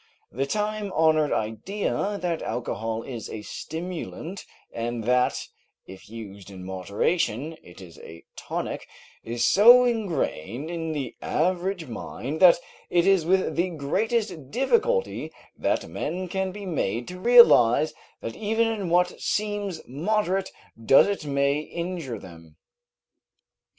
The time honored idea that alcohol is a stimulant and that, if used in moderation, it is a tonic, is so ingrained in the average mind that it is with the greatest difficulty that men can be made to realize that even in what seems moderate doses it may injure them.